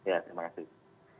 ya terima kasih